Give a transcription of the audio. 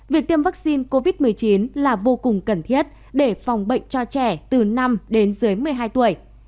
việc tiêm vaccine covid một mươi chín là vô cùng cần thiết để phòng bệnh cho trẻ từ năm đến dưới một mươi hai tuổi